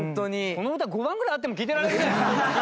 この歌５番ぐらいあっても聴いてられるね。